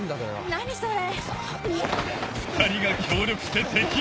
何それ。